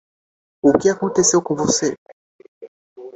O que aconteceu com você